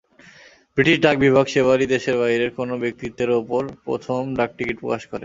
British ডাকবিভাগ সেবারই দেশের বাইরের কোনো ব্যক্তিত্বের ওপর প্রথম ডাকটিকিট প্রকাশ করে।